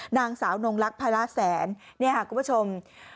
นางสาวนงลักษณ์พระราชแสนนี่ค่ะคุณผู้ชม